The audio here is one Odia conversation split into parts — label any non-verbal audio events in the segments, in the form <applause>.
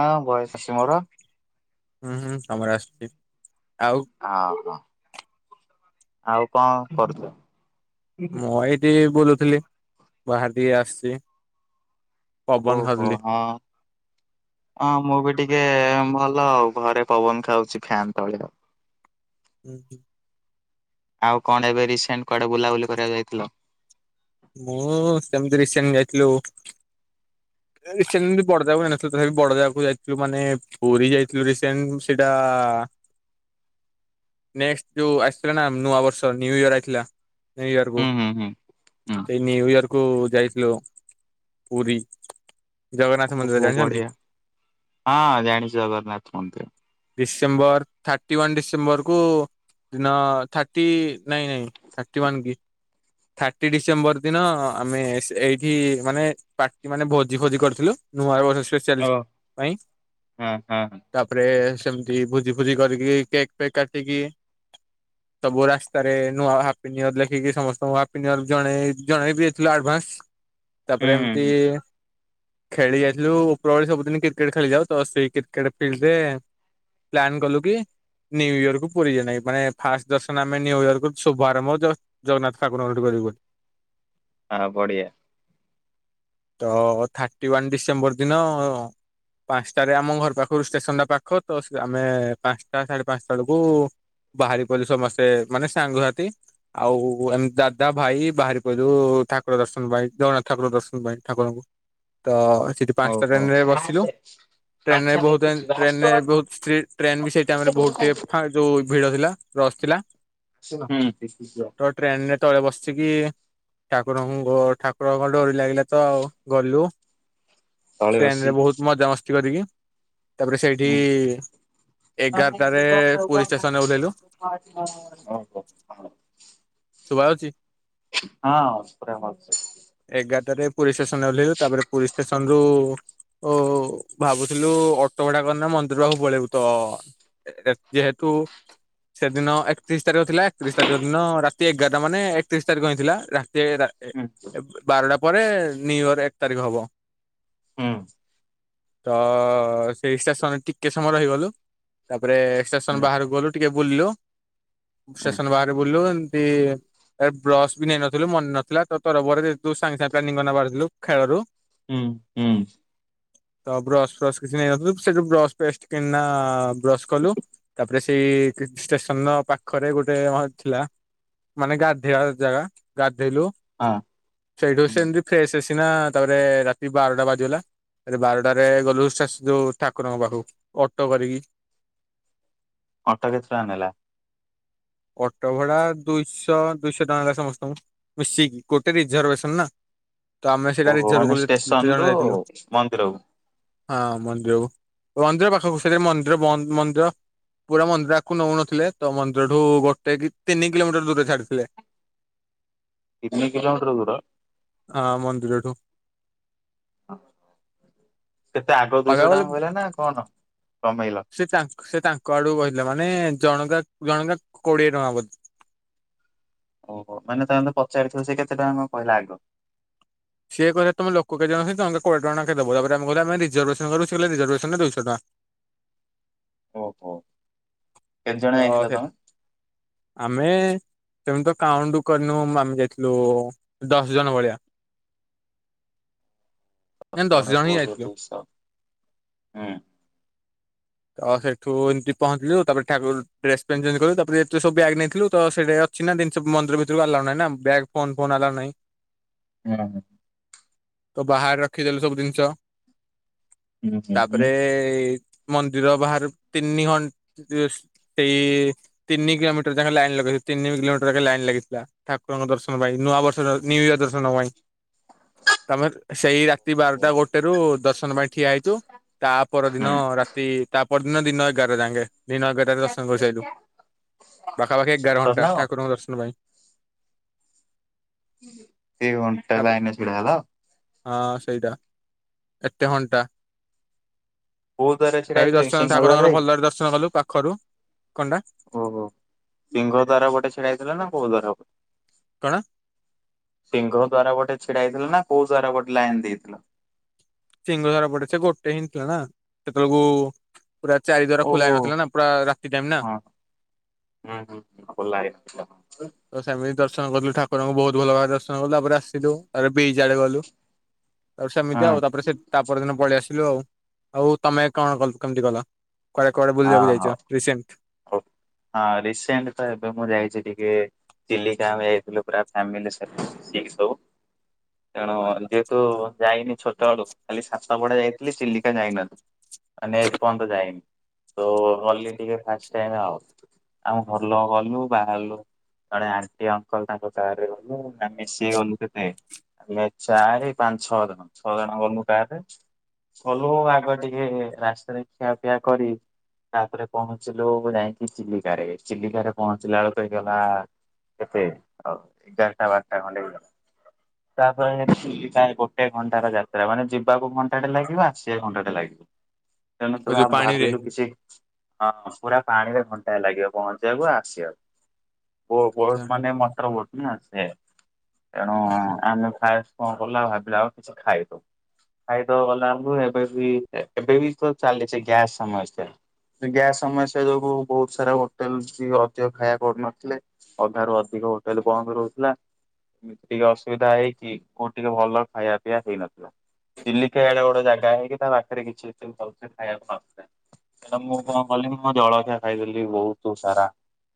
ହଁ ବୟସ ଅଛି ମୋର ହୁଁ ହୁଁ ତମର ଆସଛି। ଆଉ କଣ? ଆଉ କଣ କରୁଛ? ମୁଁ ଏଇଠି ବୁଲୁ ଲି ବାହାର ଟିକେ ଆସିଛି। ପବନ ଓହୋ ଖାଉଥିଲି। ହଁ ହଁ ମୁଁ ବି ଟିକେ ଭଲ ଆଉ ଘରେ ପବନ ଖାଉଛି ଫ୍ୟାାନ ତଳେ ଆଉ ଉଁହୁ। ଆଉ କଣ ଏବେ ରିସେଣ୍ଟ କୁଆଡେ ବୁଲାବୁଲି କରିବାକୁ ଯାଇଥିଲ। ମୁଁ ସେମିତି ରିସେଣ୍ଟ ଯାଇଥି ରସେଣ୍ଟ ବଡଦାକୁ ଯାଇନଥିଲୁ ତଥାପି ବଡଦାକୁ ଯାଇଥିଲୁ ମାନେ ପୁରୀ ଯାଇଥିଲୁ ରିସେଣ୍ଟ ସେଟା ନେକ୍ସଟ ଯୋଉ ଆସିଥିଲା ନା ନୂଆ ବର୍ଷ ନିୁଇୟର ଆଇଥିଲା। ନୁ ୟର୍ ହୁଁ ହୁଁ ହୁଁ ହୁଁ ସେଇ ନିୁ ୟର୍ କୁ ଯାଇଥିଲ୍। ଲୋ ପୁରୀ। ଜଗନ୍ନାଥ ମନ୍ଦିର ଓହୋ ଜାଣିଛନ୍ତି ବଢି଼ଆ ହଁ ଜାଣିଛି ଜଗନ୍ନାଥ ମନ୍ଦିର। ଡିସେମ୍ବର ଥାର୍ଟି ୱା ଡିସେମ୍ବରକୁ ଦିନ ଥାର୍ଟି ନାଇଁ ନାଇଁ ଥାର୍ଟି ୱ କି? ଥାର୍ଟି ଡିସେମ୍ବର ଦିନ ଆମେ ଏଇଠି ମାନେ ପାଟି ମାନେ ଭୋଜି ଭୋଜି କରିଥିଲୁ ନୂଆ ବର୍ଷ। ସେ ଓ ପାଇଁ ହଁ ହଁ ହୁଁ ତାପରେ ସେମତି ଭୋଜି ଫୁଜି କରିକି କେକ୍ ଫେକ୍ କାଟିକି ସବୁ ରାସ୍ତାରେ ନୂଆ ହାପି ନିର ଲେଖିକି ସମସ୍ତେ। ନୂଆ ହାପି ନିୟର ଜଣେ ଜଣେଇ ବି ଥିଲୁ ଆଡଭାନ୍ସ। ତାପରେ ହୁଁ ଏମିତି। ହୁଁ ଖେଳି ଯାଇଥିଲୁ ଉପର ବଳେ ସବୁଦିନ କ୍ରିକେଟ ଖେଳି ଯାଉ ତ ସେଇ କ୍ରିକେଟ ଫିଲ୍ଡରେ ପ୍ଲନ୍ କଲୁ କି ନ୍ୟୁୟର କୁ ପୁରୀ ଯିବା ପାଇଁ। ମାନେ ଫାଷ୍ଟ ଦର୍ଶନ ଆମେ ନ୍ୟୁୟର କୁ ଶୁଭ ଆାରମ୍ଭ ଜଗନ୍ନାଥ। ଠାକୁର ଘର ଗୋଟେ କରିବି ବୋଲି। ହଁ ପଡ଼ିଆ। ତ ଥାର୍ଟି ୱାନ୍ ଡିସେମ୍ବର ଦିନ ପାଞ୍ଚଟାରେ ଆମ ଘର ପାଖରୁ ଷ୍ଟେସନ ଟା ପାଖ ତ ଆମେ ପାଞ୍ଚଟା ସାଢେ ପାଞ୍ଚଟା ବେଳକୁ ବାହାରି ପଡ଼ିଲୁ ସମସ୍ତେ ମାନେ ସାଙ୍ଗସାଥି ଆଉ ଏମତି। ଦାଦା ଭାଇ ବାହାରି ପଇଲୁ ଠାକୁର ଦର୍ଶନ ପାଇଁ ଜଗନ୍ନାଥ ଠାକୁର ଦର୍ଶନ ପାଇଁ ଠାକୁରଙ୍କୁ ତ ସେଠି ପାଞ୍ଚଟା ଓହୋ ଟ୍ରେନ୍ ହୁଁ ରେ ବସିଲୁ ଟ୍ରେନ୍ ରେ ବହୁତ ଷ୍ଟିଡ଼ ଟ୍ରେନ୍ ବି ସେହି ଟାଇମ୍ ରେ ବହୁତ ଭିଡ଼ ଥିଲା ପ୍ରସ୍ ଥିଲା ତ ଟ୍ରେନ୍ ରେ ବସିକି ଠାକୁରଙ୍କୁ ଠାକୁରଙ୍କର। ଲାଗିଲା ତ ଆଉ ଗଲୁ। ତଳେ ସେନ୍ ବସି ରେ ବହୁତ ମଜାମସ୍ତି କରିକି। ତାପରେ ସେଇଠି ଏଗାରଟାରେ ପୁରୀ ଷ୍ଟେସନରେ ଓହ୍ଲେଇଲୁ <unintelligible> ଶୁଭା ଯାଉଛି। ହଁ ପୁରା ଭଲସେ ଏଗାରଟାରେ ପୁରୀ ଶେଷ ଆନେ ଓହ୍ଲାଇଲୁ ତାପରେ ପୁରି ଷ୍ଟେସନ ରୁ। ଓ ହୋ ଭାବୁଥିଲୁ ଅଟୋ ଭଡା କରିନା ମନ୍ଦିର ପାଖକୁ ପଳେଇବୁ ତ ଯେହେତୁ, ସେଦିନ ଏକତିରିଶ ତାରିଖ ଥିଲା ଏକତିରିଶ ତାରିଖ ଦିନ ରାତି ଦାଦା ମାନେ ଏକତିରିଶ ତାରିଖ ହେଇଥିଲା। ସେ ରାତି ବାର ଟା ପରେ ନ୍ଯୁଇୟର ଏକ ତାରିଖ ହବ। ହୁଁ। ତ ସେଇ ଷ୍ଟେସନ୍ ଟିକେ ସମୟ ରହିଗଲୁ ତା ପରେ ସେକ୍ସନ ବାହାରକୁ ଗଲୁ ଟିକେ ବୁଲିଲୁ। ଷ୍ଟେସନ୍ ବାହାରେ ବୁଲିଲୁ ଏ ଇଏ ଏ ବ୍ରସ ବି ନେଇନଥିଲୁ ମନେ ନଥିଲା ତ ତରବର ରେ ସାଙ୍ଗେ ସାଙ୍ଗେ ପ୍ଲାନିଙ୍ଗ କରିକିନା ବାହାରିଥିଲୁ ଖେଳରୁ। ହୁଁ ହୁଁ। ତ ବ୍ରସ୍ ଫ୍ରସ୍ କିଛି ନେଇନଥିଲୁ ସେଠୁ ବ୍ରସ୍ ପେଷ୍ଟ କିଣନା ବ୍ରଶ କଲୁ ତାପରେ ସେଇ ଷ୍ଟେସନ ର ପାଖରେ ଗୋଟେ ଥିଲା। ମାନେ ଗାଧେୟା ଜାଗା ଗା ହେଲୁ ସେଉଠୁ ସେମିତି ଫ୍ରେଶ୍। ସିନା ତାପରେ ରାତି ବାରଟା ବାଜିଗଲା ବାରଟାରେ ଗଲୁ ଯୋଉ ଠାକୁରଙ୍କ ପାଖକୁ ଅଟୋ କରିକି ଅଟୋ କେତେ ଟଙ୍କା ନେଲା? ଅଟୋ ଭଡା଼ ଦୁଇଶହ ଦୁଇଶହ ଟଙ୍କା ହେଲା ସମସ୍ତଙ୍କୁ ମିଶିକି ଗୋଟେ ରିଜରଭେସନ ନା ତ ଆମେ ସେଇଟା ଓ ରିଜର୍ଭ ମାନେ କଲୁ ଯେତେ ଷ୍ଟେସନ ଜଣ ରୁ ଯାଇଥିଲୁ ମନ୍ଦିରକୁ? ହଁ ମନ୍ଦିରକୁ ମନ୍ଦିର ପାଖକୁ ସଟା ମ ମନ୍ଦିର ପୁରା ମନ୍ଦିର ଆକୁ ନେଉନଥିଲେ ତ ମନ୍ଦିର ଠୁ ଗୋଟେ କି ତିନି କିଲୋମିଟର ଦୂରରେ ଛାଡିଥିଲେ। ତିନି କିଲୋମିଟର ଦୂର ହଁ ମନ୍ଦିରଠୁ ହଁ। କେତେ ଆଗ ଦୁଇଶହ କହିବାକୁ ଗଲେ ଟଙ୍କା କହିଲା ନା କଣ? କମେଇଲ ସେ ତା ସେ ତାଙ୍କ ଆଡୁ କହିଲା ମାନେ ଜଣକା ଜଣକା କୋଡିଏ ଟଙ୍କା ବୋ ଓହୋ ମାନେ ତାଙ୍କେ ତେ ପଚାରିଥିବ ସେ କେତେ ଟଙ୍କା ମ କହିଲା ଆଗ? ସିଏ କହିଲା ତମେ ଲୋକ କେେ ଜଣଛନ୍ତି ତମେ କୋଡି ଟଙ୍କା ଦବ ତାପ ଆମେ କହିଲେ ଆେ ରିଜର୍ଭେସନ କରୁ କିଲେ ରିଜର୍ଭେସନରେ ଦୁଇଶହ ଟଙ୍କା। ଓହୋ। କେତେ ଜଣ ତ ଯାଇଥିଲ ସେ ତମେ ଆମେ ସେମିତି ତ କାଉଣ୍ଟ କରିନୁ ଆମେ ଯାଇଥିଲୁ ଦଶ ଜଣ ଭଳିଆ। ନା ଦଶ ଜଣ ହିଁ ଯାଇଥିଲୁ। <inaudible> ହୁଁ। ତ ସେଠୁ ଏମିତି ପହଞ୍ଚିଲୁ ତାପରେ ଠାକୁର ଡ୍ରେସ୍ ପେନ୍ ଚେଞ୍ଜ କଲୁ ତାପରେ ଏତେ ସବୁ ବ୍ୟାଗ ନେଇଥିଲୁ ତ ସେଇଟା ଅଛି ନା ଜିନି ସୁ ମନ୍ଦିର ଭିତରୁ ଆଲଉୁହିଁ ବ୍ୟାଗ୍ ଫୋ ଫୋନ୍ ଆଲାଓ ନାହିଁ। ହୁଁ ହ। ତ ବାହାରେ ରଖିଦେଲୁ ସବୁ ଜିନିଷ ହୁଁ ହୁଁ ହୁଁ ତାପରେ ଦର ବାହାରୁ ତିନି ଘଣ୍ଟା ସେଇ ତିନି କିଲୋମିଟର ଯାକେ ଲାଇନ୍ ଲଗେଇ ତିନି କିଲୋମିଟର ଯ ଲାଇନ୍ ଲାଗିଥିଲା ଠାକୁରଙ୍କ ଦର୍ଶନ ପାଇଁ। ନୂଆ ବର୍ଷ ନିନ୍ୟୁ ଇୟର ଦର୍ଶନ ପାଇଁ ତାମ ସେଇ ରାତି ହୁଁ ବାରଟା ଗୋଟେ ର ଦର୍ଶନ ପାଇଁ ଠିଆ ହେଇଛୁ ତା ପର ଦିନ ହୁଁ। ରା ତା ପରଦିନ ଦିନ ଏଗାର ଯାଙ୍ଗେ। ଦିନ ଏଗାରଟାରେ ଦର୍ଶନ କରିସାରିଲୁ ପାଖାପାଖି ଏଗାର ସତରେ ଘଣ୍ଟା ନା କଣ ଠାକୁରଙ୍କ ଦର୍ଶନ ପାଇଁ। ଏତେ ଘଣ୍ଟା ତାପରେ ଲାଇନ୍ ରେ ଛିଡା଼ହେଲ? ହଁ ସେଇଟା ଏତେ ଘଣ୍ଟା। କୋଉ ଦ୍ଵାର ଛିଡା ତଥାପି ହେଇଥିଲା କି ଦର୍ଶନ ସିଂହ ଦାର ଠାକୁରଙ୍କର ଦେଇକି ଭଲରେ ଦର୍ଶନ କଲୁ ପାଖରୁ କଣ୍ଡା ଓୋ ସିଂହ ଦ୍ୱାର ଗୋଟେ ଛିଡା ହେଥିଲା ନା ବୋ ଦଵାର ଗଟେ। କଣ? ସିଂହ ଦ୍ଵାରା ଗୋଟେ ଛିଡା ହେଇଥିଲା ନା କୋଉ ଦ୍ଵାରା ଗୋଟେ ଲାଇନ ଦେଇଥିଲ? ସିଂହ ଧାର ପଟେ ସେ ଗୋଟେ ହିଁ ଥିଲା ନା ସେତେବେଳକୁ ପୁରା ଚାରି ଦ୍ୱାର ଖୋଲା ଓହୋ ହେଇନଥିଲା ନା ପୁରା ରାତି ଟାଇମ ନା ହଁ ହଁ ହଁ ଭଲ ଲାଗେ। ତ ସେମିତି ଦର୍ ଛୁଆଙ୍କ ପ୍ରତି ଠାକୁରଙ୍କ ବହୁତ ଭଲ ଭାଇରସ। ଆଉ ତା ପରେ ଆସିଲୁ ଆରେ ବେ। ଜାଡେ ଗଲୁ। ଆଉ ସେମତି ଆଉ ହଁ ତାପରେ ସେ ତାପର ଦିନ ପଳେଇଆସି ହ୍ଯାଲୋ ଆଉ ତମେ କଣ କ କେମିତି କଲ। କୁଆଡେ କୁଆଡେ ହଁ ବୁଲିବାକୁ ଯାଇଛ ହଁ ରିସେଣ୍ଟ ହଉ ହଁ ରିସେଣ୍ଟ ତ ଏବେ ମୁଁ ଯାଇଛି ଟିକେ ଚିଲିକା ଆମେ ଯାଇଥିଲୁ ପୁରା ଫ୍ଯାମିଲ ସି ମିସିକି ସବୁ ତେଣୁ ଯେହେତୁ ଯାଇନି ଛୋଟ ବେଳୁ ଖାଲି ସାତପଡା ଯାଇଥିଲି ଚିଲିକା ଯାଇନଥିଲି ମାନେ ଏ ପର୍ଯ୍ୟନ୍ତ ଯାଇନି। ତ ଗଲି ଟିକେ ଫାଷ୍ଟ ଟାଇମ୍ ଆଉ ଆମ ଘର ଲୋକ ଗଲୁ ବାହାରିଲୁ ଜଣେ ଆଣ୍ଟି ଅଙ୍କଲ ତାଙ୍କ ସାଙ୍ଗରେ ଗଲୁ ନା ମିଶିକି ଗଲୁ କେତେ ଆମେ ଚାଏ ପାଞ୍ଚ ଛଅ ଜଣ ଛଅ ଜଣ ଗଲୁ ଡାଇରେକ୍ଟ ଗଲୁ ଆଗ ଟିକେ ରାସ୍ତାରେ ଖିଆପିଆ କରି ତାପରେ ପହଞ୍ଚିଲୁ ଯାଇକି ଚିଲିକାରେ ଚିଲିକାରେ ପହଞ୍ଚିଲା ବେଳକୁ ହେଇ ଗଲା କେତେ ଏଗାରଟା ବାରଟା ଖଣ୍ଡେ ହେଇଲା ତାପରେ ଚିଲିକା ଗୋଟେ ଘଣ୍ଟାର ଯାତ୍ରା ମାନେ ଯିବାକୁ ଘଣ୍ଟାଟେ ଲାଗିବ ଆସିବାକୁ ଘଣ୍ଟାଟେ ଲାଗିବ। ତେଣୁ ତୁ ଆ ଯୋଉ ପାଣିରେ ଭାବିଲୁ କିଛି ହଁ ପୁରା ପାଣିରେ ଘଣ୍ଟାଏ ଲାଗିବ ପହଞ୍ଚିବାକୁ ଆଉ ଆସିବାକୁ। ମୋ ଆଚ୍ଛା ବହୁତ ମାନେ ମନ୍ତ୍ର ପଢୁଛି। ନା ସେ ତେଣୁ ଆମେ ଖାଇକି କଣ କଲୁ ନା ଭାବିଲୁ ଆଉ କିଛି ଖାଇଦବୁ ଖାଇଦବୁ ଗଲାବେଳକୁ ଏବେ ବି ଏବେ ବି ତ ଚାଲିଛି ଗ୍ୟାସ୍ ସମସ୍ୟା। ଗ୍ୟାସ ସମସ୍ୟା ଯୋଗୁ ବହୁତ ସାରା ହୋଟେଲ ଅଧିକ ଖାଇବା କରୁନଥିଲେ ଅଧା ରୁ ଅଧିକ ହୋଟେଲ ବନ୍ଦ ରହୁଥିଲା ଟିକେ ଅସୁବିଧା ହେଇକି କୋଉ ଟିକେ ଭଲ ଖାଇବା ପିଇବା ହେଇନଥିଲା ଚିଲିକା ଏଡେ ବଡ ଜାଗା ହେଇକି ତା ପାଖରେ କିଛି ଏତେ ଭଲସେ ଖାଇବାକୁ ନଥିଲା। ତ ମୁଁ କଣ କଲି ମୁଁ ଜଳଖିଆ ଖାଇଦେଲି ବହୁତ ସାରା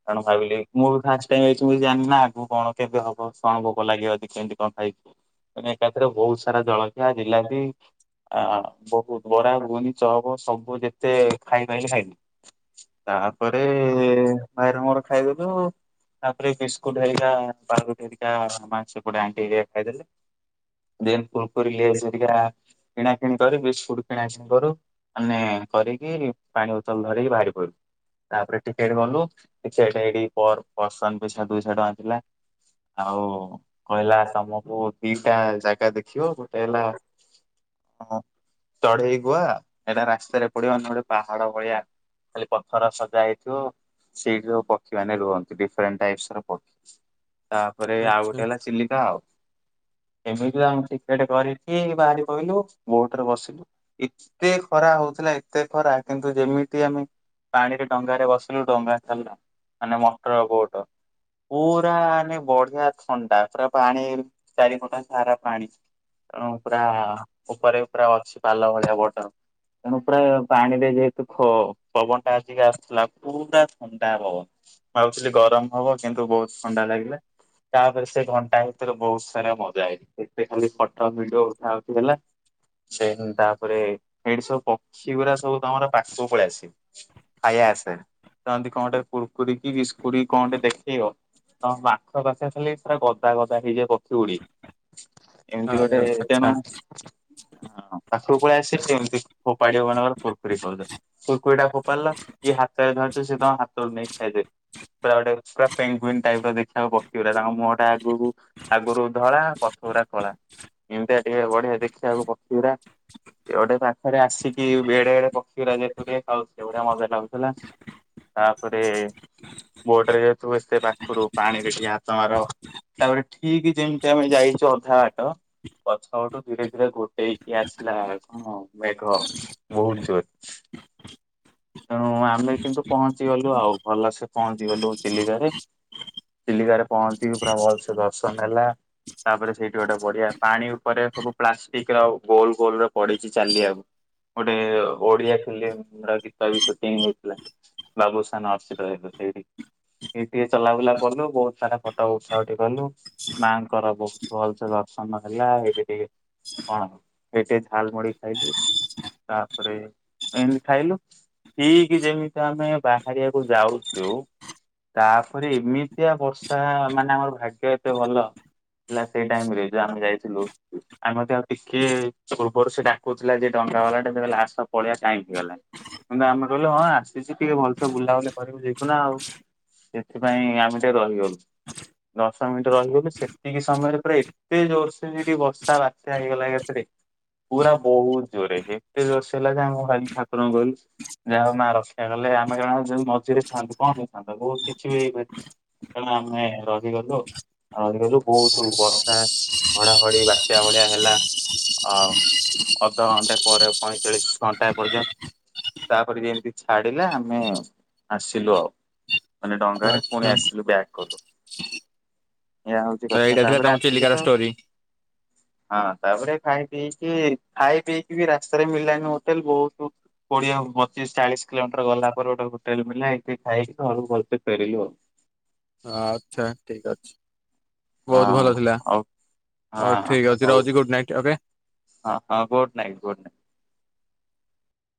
କାରଣ ଭାବିଲି ମୁଁ ବି ଫାଷ୍ଟ ଟାଇମ ଆସିଛି ମୁଁ ତ ଜାଣିନି ନା ଆଗକୁ କଣ କେମିତି ହବ କଣ ଭୋକ ଲାଗିବ ଅଧିକା କେମିତି କଣ ଖାଇବି ତ ଏକାଥରେ ବହୁତ ସାରା ଜଳଖିଆ ଯିଲାବି ଆ ବହୁତ ବରା ଘୁଘୁନି ଚପ ସବୁ ଯେତେ ଖାଇବା ହିଁ ଖାଇଲୁ ତାପରେ ଭାଇର ମୋର ଖାଇଦେଲୁ ତାପରେ ବିସ୍କୁଟ ହେରିକା ପାଉଁରୁଟି ହେରିକା ମାଂସ ପରେ ଆଣ୍ଟି ହେରିକା ଖାଇଦେଲେ ଦେନ କୁରକୁରୀ ଲେଜ ହେରିକା କିଣାକିଣି କରି ବିସ୍କୁଟ କିଣାକିଣି କରୁ ମାନେ କରିକି ପାଣି ବୋତଲ ଧରିକି ବାହାରି ପଡିଲୁ ତାପରେ ଟିକେଟ କଲୁ ଟିକେଟ ଏଇଠି ପର ପରସନ ପିଛା ଦୁଇଶ ଟଙ୍କାଥିଲା ଆଉ କହିଲା ତମକୁ ଦିଟା ଜାଗା ଦେଖିବ ଗୋଟେ ହେଲା ତମ ଚଢେଇ ଗୁଆ ଏଇଟା ରାସ୍ତାରେ ପଡିବ ଆମେ ଗୋଟେ ପାହାଡ ଭଳିଆ ଖାଲି ପଥର ସଜା ହେଇଥିବ ସେଇଠି ସବୁ ପକ୍ଷୀ ମାନେ ରୁହନ୍ତି ଡିଫରେଣ୍ଟ ଟାଇପସ ର ପକ୍ଷୀ। ତାପରେ ଆଉ ଆଚ୍ଛା ଗୋଟେ ହେଲା ଚିଲିକା ଆଉ। ଏମିତି ତ ଆମ ଟିକେଟ କରିକି ବାହାରି ପଇଲୁ ବୋଟରେ ବସିଲୁ ଏତେ ଖରା ହଉଥିଲା ଏତେ ଖରା କିନ୍ତୁ ଯେମିତି ଆମେ ପାଣିରେ ଡଙ୍ଗାରେ ବସିଲୁ ଡଙ୍ଗା ଛାଡିଲା ମାନେ ମଟର ବୋଟ ପୁରା ମାନେ ବଢିଆ ଥଣ୍ଡା ପୁରା ପାଣି ଚାରି ପଟ ସାରା ପାଣି ତେଣୁ ପୁରା ଉପରେ ପୁରା ଅଛି ପାଲ ଭଳିଆ ବଟର ତେଣୁ ପୁରା ପାଣି ସେ ଯେହେତୁ ଖ ପବନ ଟା ଆସିକି ଆସୁଥିଲା ପୁରା ଥଣ୍ଡା ପବନ ମୁଁ ଭାବୁଥିଲି ଗରମ ହବ କିନ୍ତୁ ବହୁତ ଥଣ୍ଡା ଲାଗିଲା ତାପରେ ସେ ଘଣ୍ଟା ଭିତରେ ବହୁତ ସାରା ମଜା ହେଇଛି ସେଠି ଖାଲି ଫଟୋ ଭିଡିଓ ଉଠା ଉଠିହେଲା ଦେନ ତାପରେ ସେଇଠି ସବୁ ପକ୍ଷୀ ଗୁଡା ସବୁ ତମର ପାଖକୁ ପଳେଇ ଆସିବେ ଖାଇବା ଆସାରେ ତ ଏମିତି କଣ ଟେ କୁରୁକୁରି କି ବିସ୍କୁଟ କଣ ଗୋଟେ ଦେଖେଇବ ତମ ପାଖା ପାଖି ଖାଲି ପୁରା ଗଦା ଗଦା ହେଇଯିବେ ପକ୍ଷି ଉଡି ତ ଏମିତି ଗୋଟେ ଆଚ୍ଛା ତେଣୁ ହଁ ପାଖକୁ ପଳେଇ ଆସିଲି ଏମିତି। ଫୋପାଡିବ ମନେକର କୁରୁକୁରି ଖାଉଥିଲା କୁରକୁରୀ ଟା ଫୋପାଡିଲା ଇଏ ହାତରେ ଧରିଚି ସିଏ ତମ ହାତରୁ ନେଇ ଖାଇଦେଇ ପୁରା ଗୋଟେ ପୁରା ପେଙ୍ଗଉଇନ ଟାଇପର ଦେଖିବାକୁ ପକ୍ଷୀ ପୁରା ତାଙ୍କ ମୁହଁ ଟା ଆଗକୁ ଆଗରୁ ଧଳା ପକ୍ଷୀ ଗୁରା କଳା ଏମିତିଆ ଢିଏ ବଢିଆ ଦେଖିବାକୁ ପକ୍ଷୀ ଗୁରା ତ ଗୋଟେ ପାଖରେ ଆସିକି ବେଡେ ଏଡେ ପକ୍ଷୀ ଗୁରା ଯେତେବେଳେ ଖାଉ ବଢିଆ ମଜା ଲାଗୁଥିଲା ତାପରେ ବୋଟରେ ଯେହେତୁ ଏତେ ପାଖରୁ ପାଣି ବେସି ହାତ ମାର ତାପରେ ଠିକ ଯେମିତି ଆମେ ଯାଇଛୁ ଅଧା ବାଟ ପଛ ପଟୁ ଧୀରେ ଧୀରେ ଗୋଡେଇକି ଆସିଲା କଣ ମେଘ। ବହୁତ ତେଣୁ ଆମେ କିନ୍ତୁ ପହଞ୍ଚି ଗଲୁ ଆଉ ଭଲସେ ପହଞ୍ଚି ଗଲୁ ଚିଲିକାରେ ଚିଲିକାରେ ପହଞ୍ଚିକି ପୁରା ଭଲସେ ଦର୍ଶନ ହେଲା ତାପରେ ସେଇଠି ଗୋଟେ ବଢିଆ ପାଣି ଉପରେ ସବୁ ପ୍ଲାଷ୍ଟିକ ର ଗୋଲ ଗୋଲରେ ପଡିଛି ଚାଲିବାକୁ଼। ଗୋଟେ ଓଡିଆ ଫିଲ୍ମ ର ଗୀତ ବି ସୁଟିଂ ହେଇଥିଲା ବାବୁସାନ ଅର୍ଚ୍ଚିତା ଯେହେତୁ ସେଇଠି ଏଇଠି ଟିକେ ଚଲାବୁଲା କଲୁ ବହୁତ ସାରା ଫଟୋ ଉଠା ଉଠି କଲୁ ମାଙ୍କର ବହୁତ ଭଲସେ ଦର୍ଶନ ହେଲା ଏଇଠି ଟିକେ ହଁ ଏଇଠି ଟିକେ ଝାଲମଢି ଖାଇଲୁ। ତାପରେ ଏମିତି ଖାଇଲୁ ଠିକ ଯେମିତି ଆମେ ବାହାରିବାକୁ ଯାଉଛୁ ତାପରେ ଏମିତିଆ ବର୍ଷା ମାନେ ଆମର ଭାଗ୍ୟ ଏତେ ଭଲ ହେଲା ସେଇ ଟାଇମ ରେ ଯଉ ଆମେ ଯାଇଥିଲୁ ଆମେ ଆଉ ଟିକେ ପୂର୍ବରୁ ସେ ଡାକୁଥିଲା ଯେ ଡ ଛଲାଲା ଟେ କହିଲେ ଆସ ପଳେଇଆ ଟାଇମ୍ ହେଇଗଲାଣି କିନ୍ତୁ ଆମେ କହିଲେ ହଁ ଆସିଛି ଟିକେ ଭଲସେ ବୁଲାବୁଲି କରିବୁ ଯିବୁ ନା ଆଉ ସେଥିପାଇଁ ଆମେ ଟିକେ ରହିଗଲୁ ଦଶ ମିନିଟ ରହିଗଲୁ ସେତିକି ସମୟରେ ପୁରା ଏତେ ଜୋରସେ ସେଠି ବର୍ଷା ବାତ୍ୟା ହେଇଗଲା ଏକାଥରେ ପୁରା ବହୁତ। ଜୋରେ ଏତେ ଜୋରସେ ହେଲା ଯେ ଆମେ ଭାଇ ଠାକୁରଙ୍କୁ ଗଲୁ ଯାହା ମା ରକ୍ଷା କଲେ ଆମେ କାରଣ ମଝିରେ ଥାଆନ୍ତୁ କଣ ହେଇଥାନ୍ତା ବହୁତ କିଛି ବି ହେଇପାରି କାରଣ ଆମେ ରହିଗଲୁ ରହିଗଲୁ ବହୁତ ବର୍ଷା ଘଡଘଡି ବାତ୍ୟା ଭଳିଆ ହେଲା। ଆ ଅ ଅଧଘଣ୍ଟେ ପରେ ପଇଁଚାଳିଶି ଘଣ୍ଟା ପର୍ଯ୍ୟନ୍ତ ତାପରେ ଯେମିତି ଛାଡିଲା ଆମେ ଆସିଲୁ ଆଉ। ମାନେ ଡଙ୍ଗାରେ ଆଚ୍ଛା ପୁଣି ଆସିଲୁ ବ୍ୟାକ୍ କଲୁ। ଏହା ହଉଛି ତ କଥା ଏଇଟା ଥିଲା ତାପରେ ତମ ଆସିକି ତ ଚିଲିକାର ଷ୍ଟୋରି। ହଁ ତାପରେ ଖାଇ ପିଇକି ଖାଇ ପିଇକି ବି ରାସ୍ତାରେ ମିଳିଲାନି ହୋଟେଲ ବହୁତ କୋଡିଏ ପଚିଶ ଚାଳିଶ କିଲୋମିଟର ଗଲା ପରେ ଗୋଟେ ହୋଟେଲ ମିଳିଲା ଏଇଠି ଖାଇକି ଘରକୁ ଭଲସେ ଫେରିଲୁ ଆଉ। ଆଚ୍ଛା ଠିକ ଅଛି। ବହୁତ ଭଲ ଥିଲା ହଁ ହଉ ହଁ ଠିକ ଅଛି ହଉ ରହୁଛି ଗୁଡ୍ ନାଇଟ୍ ଓକେ। ହଁ ହଁ ବୋଟ ନାଇ ବୋଟ ନାଇଁ।